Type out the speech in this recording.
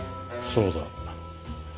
そうだ。